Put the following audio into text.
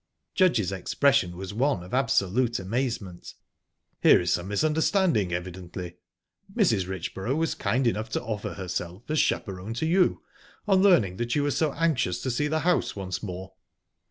Judge's expression was one of absolute amazement. "Here is some misunderstanding, evidently. Mrs. Richborough was kind enough to offer herself as chaperon to you, on learning that you were so anxious to see the house once more..."